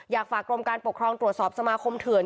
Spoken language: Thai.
อยากฝากกรมการปกครองตรวจสอบสมาคมเถื่อน